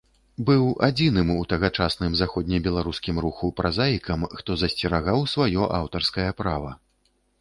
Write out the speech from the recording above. Быў адзіным у тагачасным заходнебеларускім руху празаікам, хто засцерагаў сваё аўтарскае права.